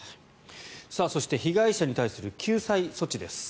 被害者に対する救済措置です。